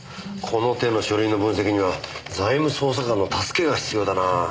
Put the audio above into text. この手の書類の分析には財務捜査官の助けが必要だな。